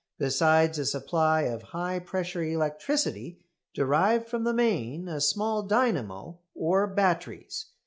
besides a supply of high pressure electricity derived from the main, a small dynamo or batteries.